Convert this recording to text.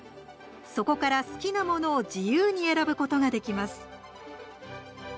そこから好きなものを自由に選ぶことができます。